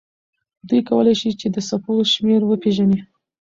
دوی کولی شي چې د څپو شمېر وپیژني.